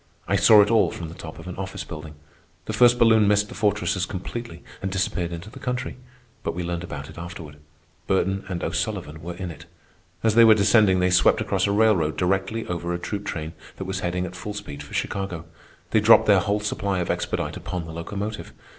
I saw it all from the top of an office building. The first balloon missed the fortresses completely and disappeared into the country; but we learned about it afterward. Burton and O'Sullivan were in it. As they were descending they swept across a railroad directly over a troop train that was heading at full speed for Chicago. They dropped their whole supply of expedite upon the locomotive.